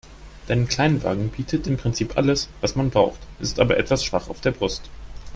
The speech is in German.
Dein Kleinwagen bietet im Prinzip alles, was man braucht, ist aber etwas schwach auf der Brust.